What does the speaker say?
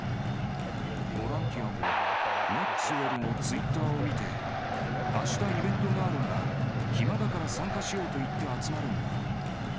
ボランティアも、マックスウェルのツイッターを見て、あしたイベントがあるんだ、暇だから参加しようと言って集まるんだ。